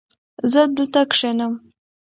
زه دلته کښېنم